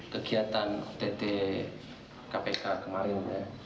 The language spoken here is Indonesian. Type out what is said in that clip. kegiatan dt kpk kemarin